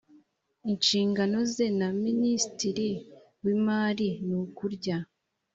inshingano ze na minisitiri w imari nukurya